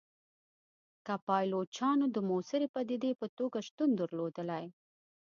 که پایلوچانو د موثري پدیدې په توګه شتون درلودلای.